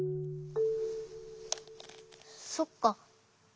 そっか。